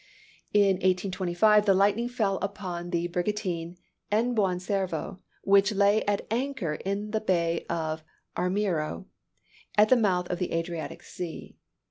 "In 1825 the lightning fell upon the brigantine El Buon Servo, which lay at anchor in the bay of Armiro, at the mouth of the Adriatic Sea.